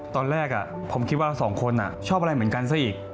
ตอนแรกผมคิดว่าเราสองคนชอบอะไรเหมือนกันซะอีก